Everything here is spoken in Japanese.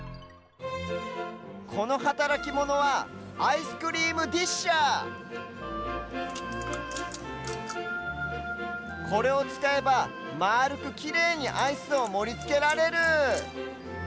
このはたらきモノはアイスクリームディッシャーこれをつかえばまあるくきれいにアイスをもりつけられる。